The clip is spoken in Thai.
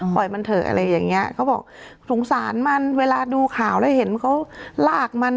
ปล่อยมันเถอะอะไรอย่างเงี้ยเขาบอกสงสารมันเวลาดูข่าวแล้วเห็นเขาลากมัน